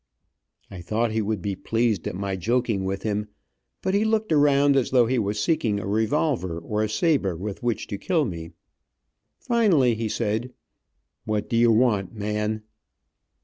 I thought he would be pleased at my joking with him, but he looked around as though he was seeking a revolver or a saber with which to kill me finnally he said: "What do you want, man?"